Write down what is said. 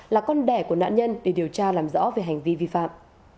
là con đẻ của nạn nhân để điều tra làm rõ về hành vi vi phạm